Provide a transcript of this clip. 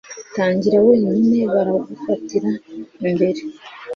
tangira wenyine baragufatira imbere